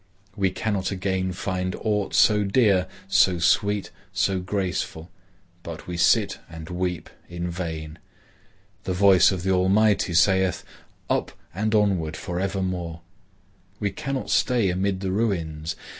We cannot again find aught so dear, so sweet, so graceful. But we sit and weep in vain. The voice of the Almighty saith, 'Up and onward for evermore!' We cannot stay amid the ruins.